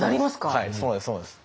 はいそうなんです。